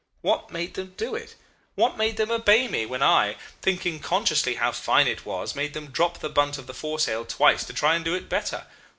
What made them do it what made them obey me when I, thinking consciously how fine it was, made them drop the bunt of the foresail twice to try and do it better?